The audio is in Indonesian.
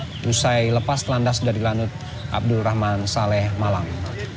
selesai lepas landas dari lanut abdulrahman saleh malang